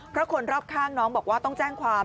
เพราะคนรอบข้างน้องบอกว่าต้องแจ้งความ